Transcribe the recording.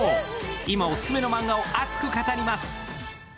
今オススメのマンガを熱く語ります。